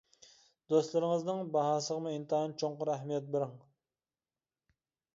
دوستلىرىڭىزنىڭ باھاسىغىمۇ ئىنتايىن چوڭقۇر ئەھمىيەت بىرىڭ.